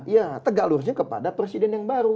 ya tegak lurusnya kepada presiden yang baru